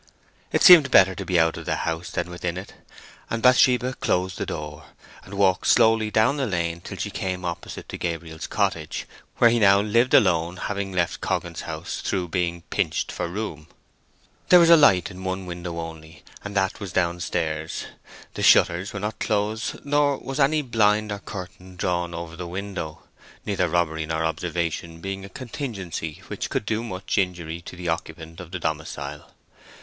It seemed better to be out of the house than within it, and Bathsheba closed the door, and walked slowly down the lane till she came opposite to Gabriel's cottage, where he now lived alone, having left Coggan's house through being pinched for room. There was a light in one window only, and that was downstairs. The shutters were not closed, nor was any blind or curtain drawn over the window, neither robbery nor observation being a contingency which could do much injury to the occupant of the domicile.